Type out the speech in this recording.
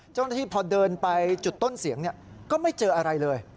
เจ้าหน้าที่พอเดินไปจุดต้นเสียงก็ไม่เจออะไรเลย